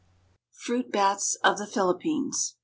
FRUIT BATS OF THE PHILIPPINES.